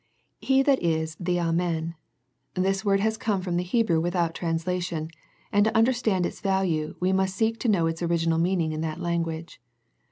He that is " the Amen." This word has come from the Hebrew without translation, and to understand its value, we must seek to know its original meaning in that language.